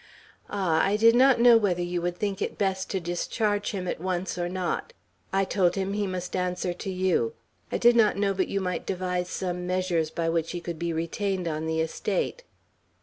"Ah, I did not know whether you would think it best to discharge him at once or not; I told him he must answer to you. I did not know but you might devise some measures by which he could be retained on the estate."